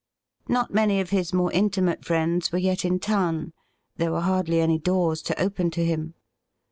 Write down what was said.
Not many of his more intimate friends were yet in town. There were hardly any doors to open to him.